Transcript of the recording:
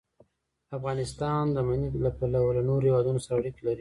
افغانستان د منی له پلوه له نورو هېوادونو سره اړیکې لري.